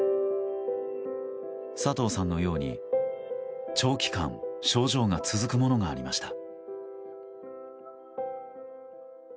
佐藤さんのように長期間症状が続くものがありました。